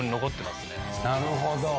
なるほど。